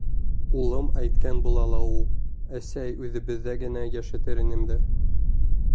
Улым әйткән була ла ул: «Әсәй, үҙебеҙҙә генә йәшәтер инем дә...»